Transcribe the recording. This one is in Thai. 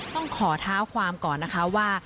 ต้องขอเท้าความก่อนนะคะว่า